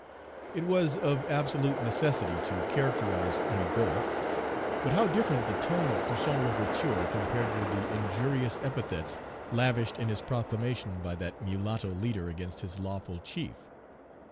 It was of absolute necessity to characterize Rigaud. But how different the tone of Toussaint L'Ouverture compared with the injurious epithets lavished in his proclamation by that mulatto leader against his lawful chief!